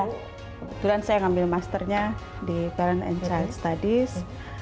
kebetulan saya ngambil masternya di parent and child studies